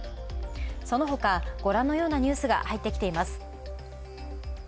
そのほか、ご覧のようなニュースが入ってきています。